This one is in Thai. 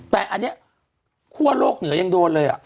แต่อันนี้คั่วโลกเหนือยังโดนเลย